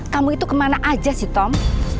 kamu itu kemana aja sih tom